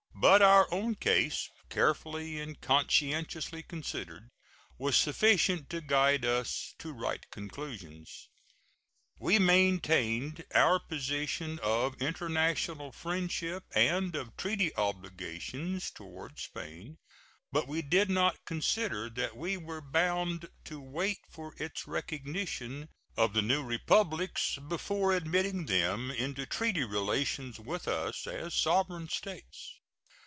But our own case, carefully and conscientiously considered, was sufficient to guide us to right conclusions. We maintained our position of international friendship and of treaty obligations toward Spain, but we did not consider that we were bound to wait for its recognition of the new Republics before admitting them into treaty relations with us as sovereign states.